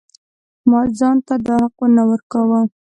ما ځان ته دا حق نه ورکاوه.